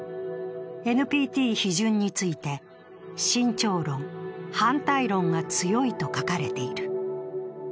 ＮＰＴ批准について、慎重論、反対論が強いと書かれている。